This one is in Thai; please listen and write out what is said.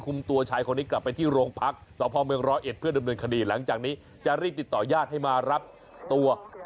คุณพอจะมีอะไรจัดการไหมคะ